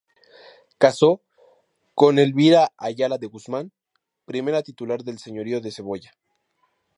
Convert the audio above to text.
Casó con Elvira Ayala de Guzmán, primera titular del señorío de Cebolla.